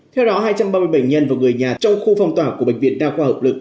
theo đó hai trăm ba mươi bệnh nhân và người nhà trong khu phong tỏa của bệnh viện đa khoa hợp lực